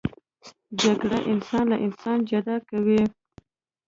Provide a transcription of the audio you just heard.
جګړه انسان له انسان جدا کوي